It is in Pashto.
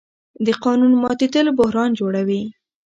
د قانون ماتېدل بحران جوړوي